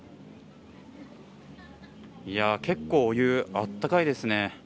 結構、お湯あったかいですね。